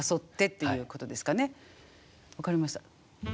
分かりました。